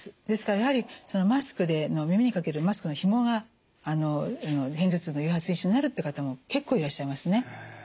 ですからやはりマスクで耳にかけるマスクのひもが片頭痛の誘発因子になるっていう方も結構いらっしゃいますね。